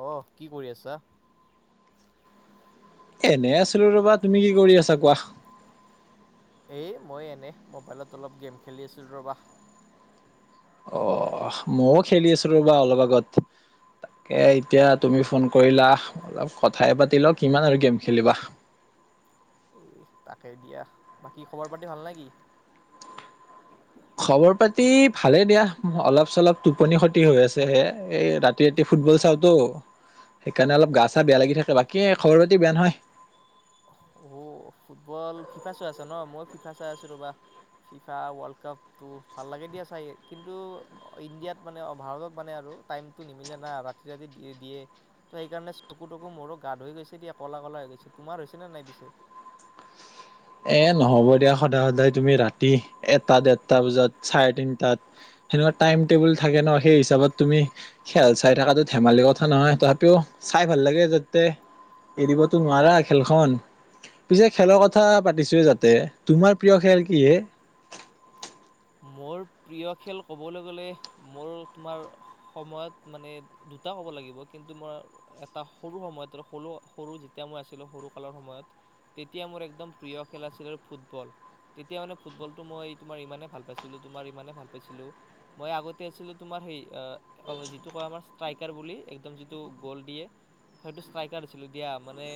অঁ কি কৰি আছা? এনে আছিলো ৰবা, তুমি কি কৰি আছিলা কোৱা? এই মই এনে মোবাইলত অলপ গেম খেলি আছিলো ৰ'বা অ মইও খেলি আছিলো ৰ'বা অলপ আগত, তাকে এতিয়া তুমি ফোন কৰিলা অলপ কথাই পাতি লও কিমান আৰু গেম খেলিবা, এই তাকেই দিয়া, বাকী খবৰ পাতি ভাল নে কি? খবৰ পাতি ভালে দিয়া অলপ - চলপ টোপনি ক্ষতি হৈ আছে হে এই ৰাতি - ৰাতি ৰাতি ফুটবল চাওতো সেইকাৰণে অলপ গা চা বেয়া লাগি থাকে বাকী খবৰ পাতি বেয়া নহয়। অ ফুটবল ফিফা চাই আছা ন মই ফিফা চাই আছো ৰবা ফিফা ৱৰ্লড কাপ, তো ভাল লাগে দিয়া চায় কিন্তু ইণ্ডিয়াত মানে ভাৰতত মানে আৰু টাইম- টো নিমিলে না ৰাতি ৰাতি দিয়ে ত সেইকাৰণে চকু তকু মোৰ গাত হৈ গৈছে দিয়া কলা কলা হৈ গৈছে। তোমাৰ হৈছে নে নাই পিছে? এ নহ'ব দিয়া সদায় সদায় তুমি ৰাতি এটা দেৰটা বজাত, চাৰে তিনটাত- সেনেকুৱা টাইম - টেবুল থাকে ন সেই হিচাপত তুমি- খেল চাই থকাটো ধেমালি কথা নহয় তথাপিও চাই ভাল লাগে যাতে- এৰিবতো নোৱাৰা খেলখন পিছে খেলৰ কথা পাতি- -ছোয়ে যাতে তোমাৰ প্ৰিয় খেল কিহে? মোৰ প্ৰিয় খেল ক'বলৈ গ'লে মোৰ তোমাৰ- সময়ত মানে দুটা কব লাগিব কিন্তু মই, এটা সৰু সময়ত আৰু যেতিয়া মই আছিলো সৰু কালৰ সময়ত, তেতিয়া মোৰ একদম প্ৰিয় খেল আছিল ফুটবল, তেতিয়া মানে ফুটবলটো মই তোমাৰ ইমানেই ভাল পাইছিলো তোমাৰ ইমানে ভাল পাইছিলো মই আগতে আছিলো তোমাৰ সেই অ অ যিটো কয় আমাৰ ষ্ট্ৰাইকাৰ বুলি একদম যিটো গ'ল দিয়ে হয়টো ষ্ট্ৰাইকাৰ হৈছিলো দিয়া মানে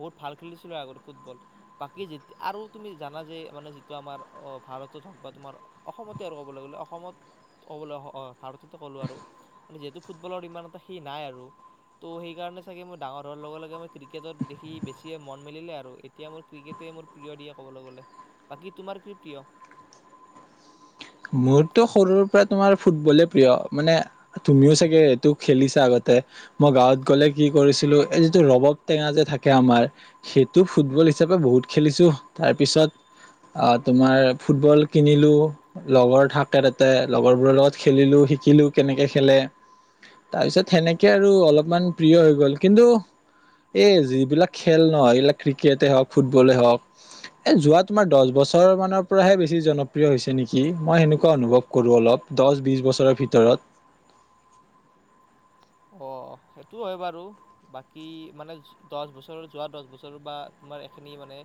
বহুত ভাল খেলিছিলোঁ আগতে ফুটবল। বাকী যে আৰু তুমি জানা যে মানে যিটো আমাৰ অ ভাৰতত হওক বা তোমাৰ অসমতে আৰু ক'বলৈ গ'লে অসমত ক'বলৈ অ ভাৰততে ক'লোঁ আৰু, মানে যিহেতু ফুটবলৰ ইমান এটা সেই নাই আৰু। ত' সেইকাৰণে চাগে মোৰ ডাঙৰ হোৱাৰ লগে লগে মই ক্ৰিকেটত দেখি বেছিয়ে মন মেলিলে আৰু এতিয়া মোৰ ক্ৰিকেটে মোৰ প্ৰিয় দিয়া ক'বলৈ গ'লে, বাকী তোমাৰ কি প্ৰিয়? মোৰটো সৰুৰ পৰাই তোমাৰ ফুটবলে প্ৰিয় মানে তুমিও চাগে এইটো খেলিছা আগতে। মই গাঁৱত গ'লে কি কৰিছিলো এই যিটো ৰবাব টেঙা যে থাকে আমাৰ সেইটো ফুটবল হিচাপে বহুত খেলিছো তাৰপিছত আ তোমাৰ ফুটবল কিনিলোঁ লগৰ থাকে তাতে লগৰবোৰৰ লগত খেলিলো শিকিলো কেনেকে খেলে। তাৰ পিছত সেনেকে আৰু অলপমান প্ৰিয় হৈ গল কিন্তু এই যিবিলাক খেল এইবিলাক ক্ৰিকেটেই হওক ফুটবলেই হক এ যোৱা তোমাৰ দহ বছৰ মানৰ পৰাহে বেছি জনপ্ৰিয় হৈছে নেকি কি মই সেনেকুৱা অনুভৱ কৰোঁ অলপ, দহ বিছ বছৰৰ ভিতৰত। অ', সেইটো হয় বাৰু। বাকী মানে দহ বছৰ যোৱা দহ বছৰ বা তোমাৰ এইখিনি মানে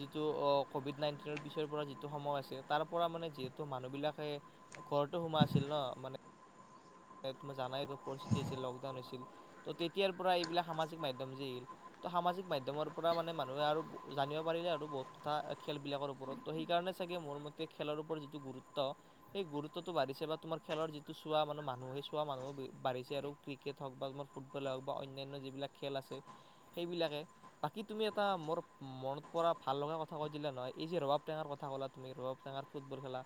যিটো অ কভিড নাইনটিনৰ পিছৰ পৰা যিটো সময় আছে তাৰ পৰা মানে যিহেতু মানুহ বিলাকে ঘৰটো সোমাই আছিল ন মানে মই জানাই একো পৰিস্থিতি হৈছিল লকডাউন হৈছিল ত' তেতিয়াৰ পৰা এইবিলাক সামাজিক মাধ্যম যে আহিল ত' সামাজিক মাধ্যমৰ পৰা মানে মানুহে আৰু জানিব পাৰিলে আৰু বহুত কথা খেলবিলাকৰ ওপৰত। ত' সেইকাৰণে চাগে মোৰ মতে খেলৰ ওপৰত যিটো গুৰুত্ব সেই গুৰুত্বতটো বাঢ়িছে বা তোমাৰ খেলৰ যিটো চোৱা মানে মা মানুহে চোৱা মানুহ বাঢ়িছে আৰু ক্ৰিকেট হওক বা তোমাৰ ফুটবলে হওক বা অন্যান্য যিবিলাক খেল আছে সেইবিলাকে বাকী তুমি এটা মোৰ মনত পৰা ভাল লগা কথা কৈ দিলা নহয় এই যে ৰবাব টেঙাৰ কথা ক'লা তুমি ৰবাব টেঙাৰ ফুটবল খেলা,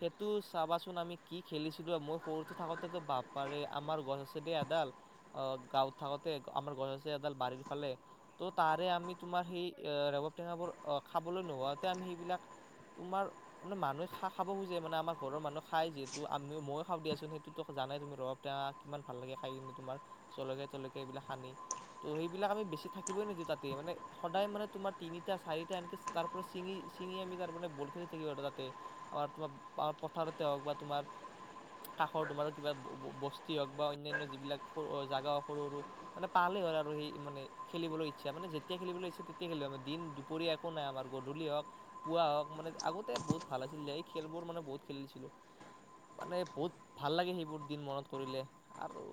সেইটো চাবাচোন আমি কি খেলিছিলো মই সৰুটৈ থাকোতে ত টো বাপপাৰে আমাৰ গছ আছে দেই এডাল। আহ গাঁৱত থাকোতে আমাৰ গছ আছিলে এডাল বাৰীৰ ফালে। ত' তাৰে আমি তোমাৰ সেই ৰবাৱ টেঙাবোৰ খাবলৈ নোহোৱাতে আমি সেইবিলাক তোমাৰ মানে মানুহে খা-খাব খোজে মানে আমাৰ ঘৰৰ মানুহ খাই যিহেতু আমি ময়ো খাও দিয়াচোন সেইটো। ত টো জানাই তুমি ৰবাব টেঙা কিমান ভাল লাগে খাইকেনে তোমাৰ জলকীয়া তলকীয়া এইবিলাক সানি। ত' সেইবিলাক আমি বেছি থাকিবই নিদিওঁ তাতে মানে সদায় মানে তোমাৰ তিনিটা চাৰিটা আনকে তাৰপৰা ছিঙি ছিঙি আমি তাৰ মে বল খেলি থাকিব তাতে। অ', তোমাৰ পথাৰতে হওক বা তোমাৰ কাষ স তোমাৰ কিবা ব-ব-বস্তি হওক বা অন্যান্য যিবিলাক সৰু জাগা সৰু সৰু মানে পালেই হ'ল আৰু সেই মানে খেলিবলৈ ইচ্ছা মানে যেতিয়া খেললৈ ইচ্ছা তেতিয়া খেলিব আমাৰ দিন দুপৰীয়া একো নাই আমাৰ গধূলিয়ে হক পুৱা হওক মানে আগতে বহুত ভাল আছিল দিয়া এই খেলবোৰ মানে বহুত খেলিছিলো। মানে বহুত ভাল লাগে সেইবোৰ দিন মনত কৰিলে। আৰু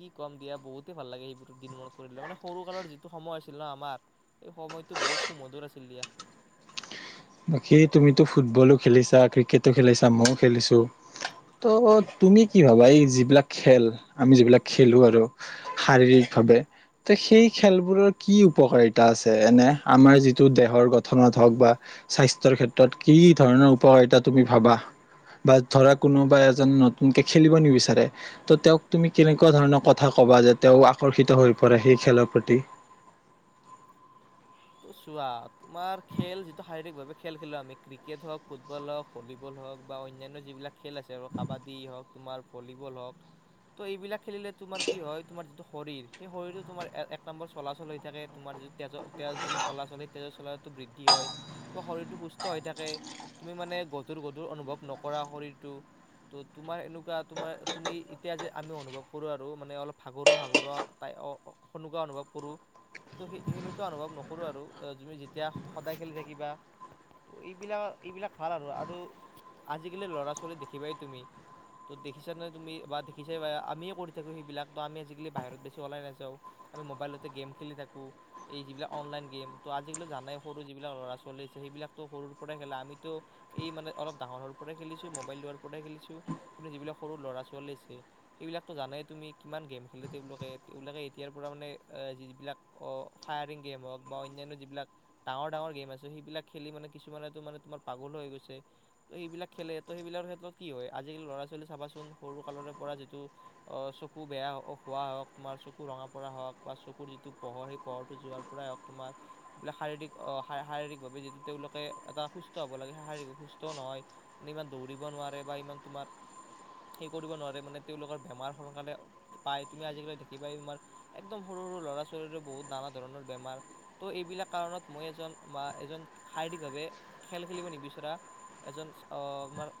কি ক'ম দিয়া বহুতেই ভাল লাগে সেইবোৰ দিন মনত কৰিলে, মানে সৰু কালৰ যিটো সময় আছিল ন আমাৰ এই সময়টো বহুত সুমধুৰ আছিল দিয়া। বাকী তুমিতো ফুটবলো খেলিছা, ক্ৰিকেটো খেলিছা, ময়ো খেলিছো। ত অত তুমি কি ভাবা এই যিবিলাক খেল আমি যিবিলাক খেলো আৰু। শাৰীৰিকভাৱে তে সেই খেলবোৰৰ কি উপকাৰিতা আছে এনে আমাৰ যিটো দেহৰ গঠনত হওক বা স্বাস্থ্যৰ ক্ষেত্ৰত কি ধৰণৰ উপকাৰিতা তুমি ভাবা। বা ধৰা কোনোবা এজন নতুনকে খেলিব নিবিচাৰে। ত তেওঁক তুমি কেনেকুৱা ধৰণৰ কথা কবা যে তেওঁ আকৰ্ষিত হৈ পৰে সেই খেলৰ প্ৰতি? ত চোৱা তোমাৰ খেল যিটো শাৰীৰিকভাৱে খেল খেলো আমি ক্ৰিকেট হওঁক ফুটবল হওঁক ভলীবল হওক বা অন্যান্য যিবিলাক খেল আছে আৰু কাবাডী হওঁক তোমাৰ ভলীবল হওঁক ত এইবিলাক খেলিলে তোমাৰ কি হয় তোমাৰ যিটো শৰীৰ সেই শৰীৰটো তোমাৰ এক নম্বৰ চলাচল হৈ থাকে। তোমাৰ যিটো তেজৰ তেজ যিটো চলাচল সে তেজৰ চলাটো বৃদ্ধি হয়। ত শৰীৰটো সুস্থ হৈ থাকে তুমি মানে গধুৰ গধুৰ অনুভৱ নকৰা শৰীৰটো। ত তোমাৰ এনেকুৱা তোমাৰ তুমি যে আমি কৰো আৰু মানে অলপ ভাগৰুৱা ভাগৰুৱা তাই অ অ সেনেকোৱা অনুভৱ কৰো। ত সে সেনুক কুৱা অনুভৱ নকৰো আৰু অ তুমি যেতিয়া সদায় খেলি থাকিবা। ত এইবিলাক এইবিলাক ভাল আৰু আৰু আজিকালি ল'ৰা-ছোৱালীক দেখিবাই তুমি ত দেখিছা নহয় তুমি বা দেখিছা বা আমিয়ে কৰি থাকো সেইবিলাক, ত আমি আজিকালি বাহিৰত বেছি ওলাই নাযাওঁ। আমি মোবাইলতে গেম খেলি থাকো। এই যিবিলাক অনলাইন গেম। ত আজিকালি জানাই সৰু যিবিলাক ল'ৰা-ছোৱালী আছে, সেইবিলাকতো সৰুৰ পৰাই খেলে আমিতো এই মানে অলপ ডাঙৰৰ পৰাই খেলিছো, মোবাইল লোৱাৰ পৰাই খেলিছো, কিন্তু যিবিলাক সৰু ল'ৰা-ছোৱালী আছে সেইবিলাকতো জানেই তুমি কিমান গেম খেলে তেওঁলোকে, তেওঁলোকে এতিয়াৰ পৰা মানে যিবিলাক অ ফায়াৰিং গেম হওঁক বা অন্যান্য যিবিলাক ডাঙৰ ডাঙৰ গেম আছে। সেইবিলাক খেলি মানে কিছুমানেতো মানে তোমাৰ পাগল হৈ গৈছে। ত সেইবিলাক খেলে ত সেইবিলাকৰ ক্ষেত্ৰত কি হয়। আজিকালি ল'ৰা ছোৱালী চাবাচোন সৰু কালৰে পৰা যিটো অ চকু বেয়া খোৱা হওঁক, তোমাৰ চকু ৰঙা পৰা হওঁক, বা চকুৰ যিটো পোহৰ সেই পহৰটো যোৱাৰ পৰাই হওঁক তোমাৰ এইবিলাক শাৰীৰিক, শাৰীৰিকভাৱে যিটো তেওঁলোকে এটা সুস্থ লাগে শাৰীকাৱে সুস্থও নহয় নে ইমান দৌৰিব নোৱাৰে বা ইমান তোমাৰ সেই কৰিব নোৱাৰে, মানে তেওঁলোকৰ বেমাৰ সোনকালে পাই তুমি আজিকালি দেখিবাই, তোমাৰ একদম সৰু সৰু ল'ৰা-ছোৱালীৰে বহুত নানা ধৰণৰ বেমাৰ ত এইবিলাক কাৰণত মই এজন বা এজন শাৰীৰিকভাৱে খেল খেলিব নিবিচৰা এজন অ মাৰ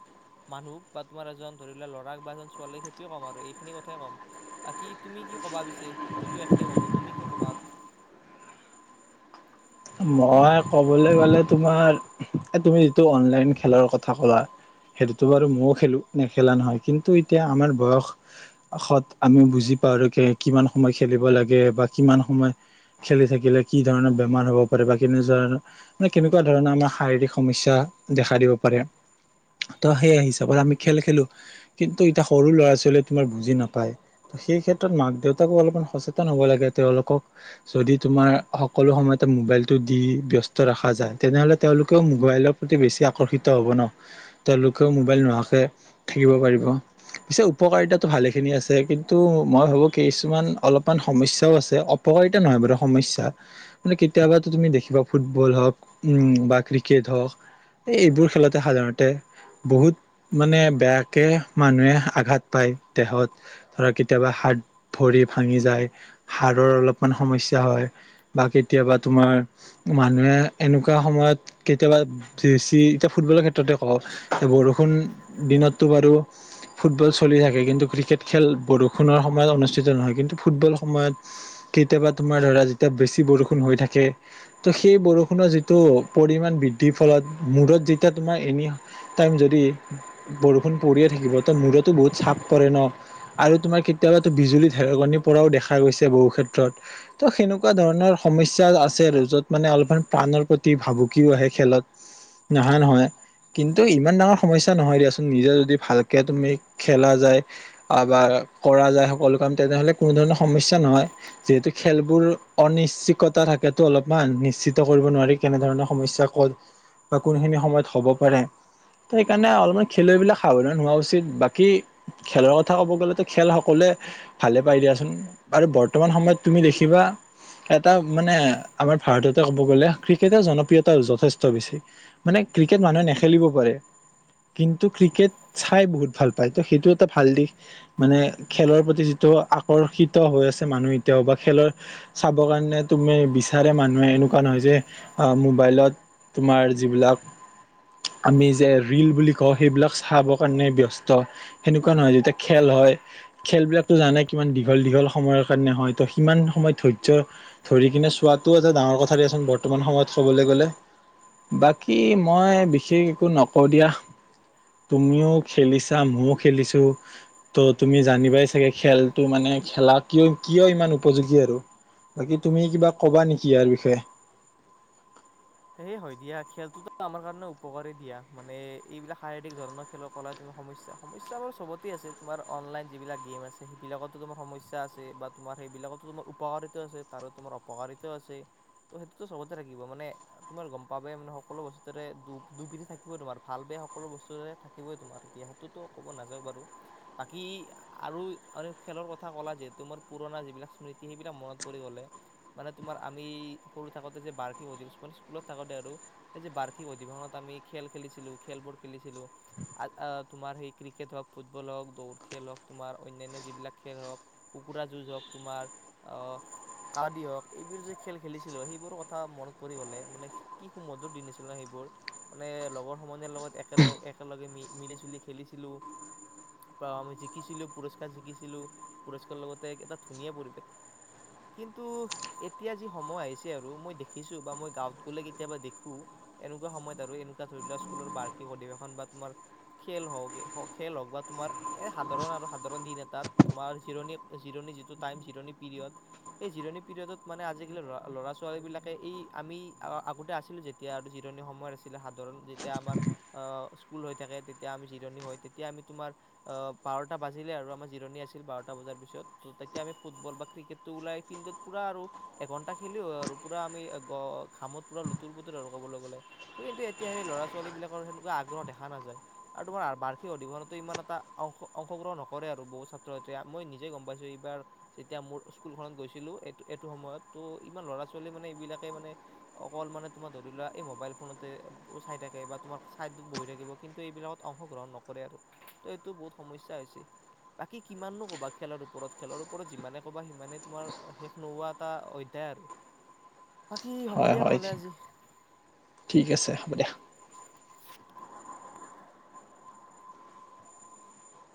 মানুহ বা তোমাৰ এজন ধৰি লোৱা ল'ৰাক বা এজন ছোৱালী সেইটোৱে ক'ম আৰু এইখিনি কথাই ক'ম। বাকী তুমি কি কবা পিছে মইতো এখিনি ক'লো তুমি কি কবা? মই ক'বলে গ'লে তোমাৰ, এ তুমি যিটো অনলাইন খেলৰ কথা কলা। সেইটোতো বাৰু ময়ো খেলোঁ নেখেলা নহয়। কিন্তু এতিয়া আমাৰ বয় সত আমিও বুজি পাওঁ কে কিমান সময় খেলিব লাগে বা কিমান সময় খেলি থাকিলে কি ধৰণৰ বেমাৰ হ'ব। বা কেনেধৰনৰ মানে কেনেকুৱা ধৰণৰ আমাৰ শাৰীৰিক সমস্যা দেখা দিব পাৰে। ত সেইয়া হিচাপত আমি খেল খেলো কিন্তু এতিয়া সৰু ল'ৰা-ছোৱালীয়ে তোমাৰ বুজি নাপায়। সেই ক্ষেত্ৰত মাক দেউতাকো অলপমান সচেতন হ'ব লাগে। তেওঁলোকক যদি তোমাৰ সকলো সময়তে মোবাইল টো দি বিয়ষ্ট ৰখা যায় তেনেহলে তেওঁলোকেও মোবাইলৰ পতি বেছি আকৰ্ষিত হ'ব ন। তেওঁলোকেও মোবাইল নোহোৱাকে থাকিব পাৰিব। পিছে উপকাৰিতাটো ভালেখিনি আছে কিন্তু মই ভাবো কি কিছুমান অলপমান সমস্যাও আছে অ উপকাৰিতা নহয় বাৰু সমস্যা, মানে কেতিয়াবা তুমি দেখিবা ফুটবল হওক উম বা ক্ৰিকেট হওক এই এইবোৰ খেলতে সাধাৰণতে বহুত মানে বেয়াকে মানুহে আঘাত পায় দেহত। ধৰা কেতিয়াবা হাত- ভৰি ভাঙি যায়, হাড়ৰ অলপমান সমস্যা হয়। বা কেতিয়াবা তোমাৰ মানুহে এনেকুৱা সময়ত কেতিয়াবা [unintelligible] চি এতিয়া ফুটবলৰ ক্ষেত্ৰতে কওঁ বৰষুণ দিনতটো বাৰু ফুটবল চলি থাকে কিন্তু ক্ৰিকেট খেল বৰষুণৰ সময়ত অনুষ্ঠিত নহয়। কিন্তু ফুটবল সময়ত কেতিয়াবা তোমাৰ ধৰা যেতিয়া বেছি বৰষুণ হৈ থাকে ত' সেই বৰষুণৰ যিটো পৰিমান বৃদ্ধিৰ ফলত মূৰত যেতিয়া তোমাৰ এনে টাইম যদি বৰষুণ পৰিয়ে থাকিব ত মূৰতো বহুত চাপ পৰে ন। আৰু তোমাৰ কেতিয়াবা বিজুলী ঢেৰেকনি পৰাও দেখা গৈছে বহু ক্ষেত্ৰত। ত' সেনেকুৱা ধৰণৰ সমস্যা। [unintelligible] আছে আৰু যত মানে অলপমান প্ৰাণৰ প্ৰতি ভাবুকিও আহে খেলত নাহা নহয়। কিন্তু ইমান ডাঙৰ সমস্যা নহয় দিয়াচোন, নিজে যদি ভালকে তুমি খেলা যায়। [unintelligible] বা কৰা যায় সকলো কাম তেনেহ'লে কোনো ধৰণৰ সমস্যা নহয়। যিহেতু খেলবোৰ অনিশ্চিত। কটা থাকেতো অলপমান, নিশ্চিত কৰিব নোৱাৰি কেনেধৰণৰ সমস্যা ক'ত বা কোনোখিনি সময়ত হ'ব পাৰে। ত' সেইকাৰণে অলপমান খেলুৱৈবিলাক সাৱধান হোৱা উচিত। বাকী খেলৰ কথা ক'ব গ'লেতো খেল সকলোৱে ভালে পাই দিয়াচোন, আৰু বৰ্তমান সময়ত তুমি দেখিবা এটা মানে আমাৰ ভাৰততে ক'ব গ'লে ক্ৰিকেটৰ জনপ্ৰিয়তা যথেষ্ট বেছি। মানে ক্ৰিকেট মানুহে নেখেলিব পাৰে কিন্তু ক্ৰিকেট চাই বহুত ভাল পায় ত সেইটো এটা ভাল দিশ। মানে খেলৰ প্ৰতি যিটো আকৰ্ষিত হৈ আছে মানুহ এতিয়াও বা খেলৰ চাবৰ কাৰণে নে তুমি বিচাৰে মানুহে এনেকুৱা নহয় যে আ মোবাইলত তোমাৰ যিবিলাক আমি যে ৰীল বুলি কওঁ সেইবিলাক চাবৰ কাৰণে ব্যস্ত। সেনেকুৱা নহয়, যেতিয়া খেল হয় খেলবিলাকতো জানাই কিমান দীঘল দীঘল সময়ৰ কাৰণে হয় ত সিমান সময় ধৈৰ্য্য ধৰি কিনে চোৱাটোও এটা ডাঙৰ কথা দিয়াচোন বৰ্তমান সময়ত ক'বলৈ গ'লে। বাকী মই বিশেষ একো নকওঁ দিয়া। তুমিও খেলিছা ময়ও খেলিছো। ত তুমি জানিবাই চাগে খেলটো মানে খেলা কিয় কিয় ইমান উপযোগী আৰু বাকী তুমি কিবা ক'বা নেকি ইয়াৰ বিষয়ে? সেইয়ে হয় দিয়া খেলটোতো আমাৰ কাৰণে উপকাৰে দিয়া, মানে এইবিলাক শাৰীৰিক ধৰণৰ খেলৰ কলাই তুমি সমস্যা, সমস্যা বাৰু চবতে আছে তোমাৰ অনলাইন যিবিলাক গেম আছে সেইবিলাকতো তোমাৰ সমস্যা আছে, বাত তোমাৰ এইবিলাকতো তোমাৰ উপকাৰিতা আছে তাৰো তোমাৰ অপকাৰিতাও আছে, ত সেইটোতো সবতে থাকিব মানে তোমাৰ গম পাবাই মানে সকলো বস্তুতেৰে দু-দুপিঠি থাকিবৈ তোমাৰ ভাল বেয়া সকলো বস্তুৰে থাকিবই তোমাৰ এতিয়া তোতো ক'ব নাযায়ওঁ বাৰু, বাকী আৰু খেলৰ কথা কলা যিহেতু মোৰ পুৰণা যিবিলাক স্মৃতি সেইবিলাক মনত পৰি গলে। মানে তোমাৰ আমি সৰু থাকোতে যে বাৰ্ষিক অধিৱেশন মানে স্কুলত থাকোতে আৰু, সেই যে বাৰ্ষিক অধিৱেশনত আমি খেল খেলিছিলো খেলবোৰ খেলিছিলো। আ আ, তোমাৰ সেই ক্ৰিকেট হওক, ফুটবল হওক, দৌৰ খেল হওক, তোমাৰ অন্যান্য যিবিলাক খেল হওক কুকুৰা যুঁজ হওক, তোমাৰ অ কাবাডী হওঁক, এইবোৰ যে খেল খেলিছিলোঁ সেইবোৰ কথা মনত পৰি গ'লে মানে কি সুমধুৰ দিন আছিল ন সেইবোৰ? মানে লগৰ সমনীয়াৰ লগত একেল-একেলগে মি-মিলি জুলি খেলিছিলোঁ। বা আমি জিকিছিলো পুৰস্কাৰ জিকিছিলো, পুৰস্কাৰৰ লগতে এটা ধুনীয়া পৰিৱেশ কিন্তু এতিয়া যি সময় আহিছে আৰু মই দেখি দেখিছো বা মই গাঁৱত গ'লে কেতিয়াবা দেখোঁ এনেকুৱা সময়ত আৰু এনেকুৱা ধৰি লোৱা স্কুলৰ বাৰ্ষিক অধিৱেশন বা তোমাৰ খেল হওঁক এ হওঁক খেল হওঁক বা তোমাৰ এ সাধাৰণ আৰু সাধাৰণ দিন এটাত তোমাৰ জিৰণি জিৰণি যিটো টাইম জিৰণি পিৰিয়ড, সেই জিৰণি পিৰিয়ডত মানে আজিকালি ল'ৰা-ল'ৰা-ছোৱালী বিলাক কে এই আমি আগতে আছিলোঁ যেতিয়া আৰু জিৰণি সময়ত আছিলে সাধাৰণ যেতিয়া আমাৰ আ স্কুল হৈ থাকে তেতিয়া আমি জিৰণি হয় তেতিয়া আমি তোমাৰ অ বাৰটা বাজিলে আৰু আমাৰ জিৰণি আছিল বাৰটা বজাৰ পিছত ত', তেতিয়া আমি ফুটবল বা ক্ৰিকেট টো ওলাই ফিল্ডত পুৰা আৰু এঘন্টা খেলিও আৰু পুৰা আমি গ-ঘামত পুৰা লুতুৰ পুতুৰ আৰু ক'বলৈ গ'লে। ত কিন্তু এতিয়া সেই ল'ৰা ছোৱালী বিলাকৰ সেনেকুৱা আগ্ৰহ দেখা নাযায়। আৰু তোমাৰ বাৰ্ষিক অধিৱেশনতো ইমান এটা অংশ-অংশগ্ৰহণ নকৰে আৰু বহুত ছাত্ৰ-ছাত্ৰীয়ে মই নিজে গম পাইছোঁ এইবাৰ যেতিয়া মোৰ স্কুলখনত গৈছিলোঁ এইটো এইটো সময়ত ত', ইমান ল'ৰা ছোৱালী মানে এইবিলাকে মানে অকল মানে তোমাৰ ধৰি লোৱা এই মোবাইল ফোনতে চাই থাকে বা তোমাৰ চাইডত বহি থাকিব কিন্তু এইবিলাকত অংশগ্ৰহণ নকৰে আৰু। ত এইটো বহুত সমস্যা হৈছে। বাকী কিমাননো ক'বা খেলাৰ ওপৰত, খেলৰ ওপৰত যিমানে ক'বা সিমানেই তোমাৰ শেষ নোহোৱা এটা অধ্যায় আৰু। বাকী হ'ব হয় দিয়া হয় নহ'লে আজি। ঠিক আছে হ'ব দিয়া।